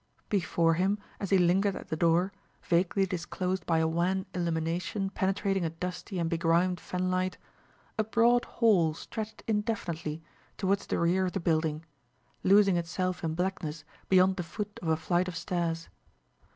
Before him, as he lingered at the door, vaguely disclosed by a wan illumination penetrating a dusty and begrimed fan light, a broad hall stretched indefinitely towards the rear of the building, losing itself in blackness beyond the foot of a flight of stairs.